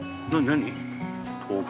何？